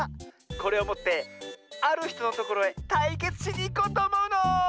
これをもってあるひとのところへたいけつしにいこうとおもうの！